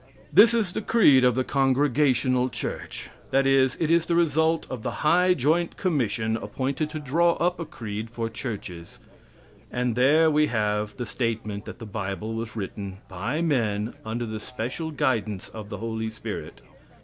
This is the creed of the Congregational Church; that is, it is the result of the high joint commission appointed to draw up a creed for churches; and there we have the statement that the bible was written "by men, under the special guidance of the Holy Spirit."